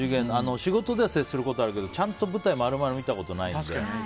仕事では接することはあるけどちゃんと舞台を丸々見たことはないので。